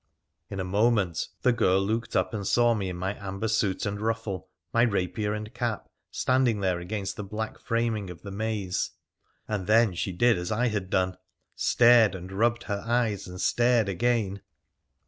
In a moment the girl looked up and saw me in my amber suit and ruffle, my rapier and cap, standing there against the black framing of the maze ; and then she did as I had done — stared, and rubbed her eyes, and stared again